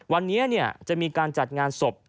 วันนี้จะมีการจัดงานศพ